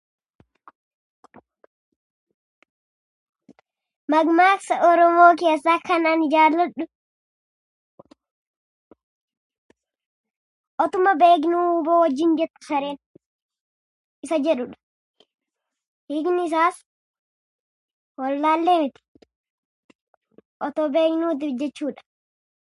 "Makmaaksa Oromoo keessaa Kan ani jaalladhu, ""otuma beeknuu huuba wajjin"" jettee sareen isa jedhudha. Hiikni isaas wallaallee miti otoo beeknuuti jechuu dha."